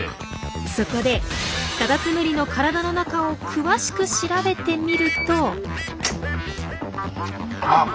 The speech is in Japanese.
そこでカタツムリの体の中を詳しく調べてみると。